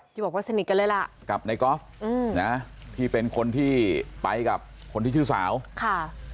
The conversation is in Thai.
ที่บอกว่าสนิทกันเลยล่ะกับในกอล์ฟอืมนะที่เป็นคนที่ไปกับคนที่ชื่อสาวค่ะ